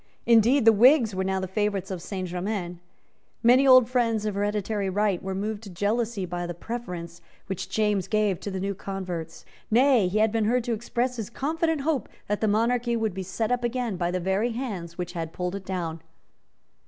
Indeed the Whigs were now the favourites at Saint Germains. Many old friends of hereditary right were moved to jealousy by the preference which James gave to the new converts. Nay, he had been heard to express his confident hope that the monarchy would be set up again by the very hands which had pulled it down.